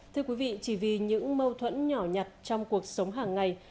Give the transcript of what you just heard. thưa quý vị chỉ vì những mâu thuẫn nhỏ nhặt trong cuộc sống hàng ngày